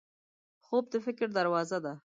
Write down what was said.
خوب د فکر دروازه ده